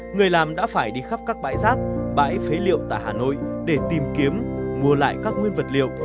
người làm đã phải đi khắp các bãi rác bãi phế liệu tại hà nội để tìm kiếm mua lại các nguyên vật liệu